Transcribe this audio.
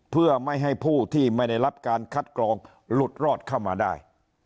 เพื่อไม่ให้ผู้ที่ไม่ได้รับการคัดกรองหลุดรอดเข้ามาได้